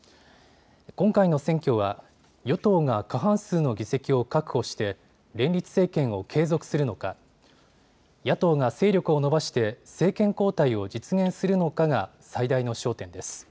今回の選挙は与党が過半数の議席を確保して連立政権を継続するのか野党が勢力を伸ばして政権交代を実現するのかが最大の焦点です。